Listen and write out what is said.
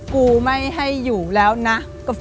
กูไม่ให้อยู่แล้วนะ